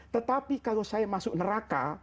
tetapi kalau saya masuk neraka